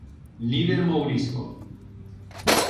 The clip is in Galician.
Líder mourisco.